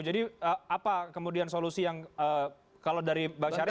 apa kemudian solusi yang kalau dari bang syarif